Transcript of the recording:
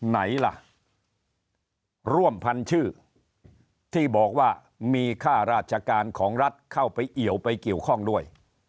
ไหนล่ะร่วมพันชื่อที่บอกว่ามีค่าราชการของรัฐเข้าไปเอี่ยวไปเกี่ยวข้องด้วย